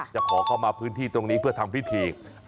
จะขอเข้ามาพื้นที่ตรงนี้เพื่อทำพิธี